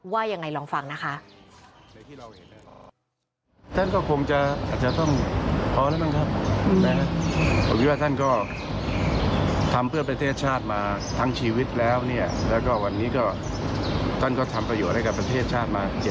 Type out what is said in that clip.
ว่ายังไงลองฟังนะคะ